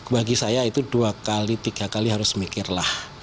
bagi saya itu dua kali tiga kali harus mikirlah